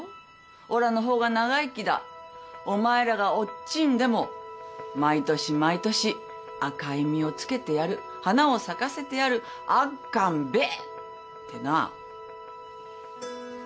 おらの方が長生きだお前らがおっ死んでも毎年毎年赤い実をつけてやる花を咲かせてやるあっかんべえってな。